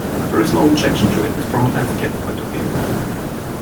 There's no objection to it from an etiquette point of view.